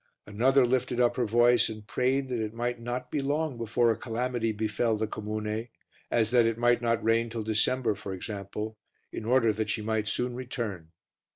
Another lifted up her voice and prayed that it might not be long before a calamity befell the comune as that it might not rain till December, for example in order that she might soon return.